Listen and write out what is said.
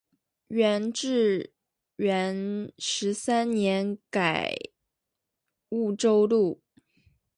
元至元十三年改婺州路。